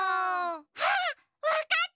あっわかった！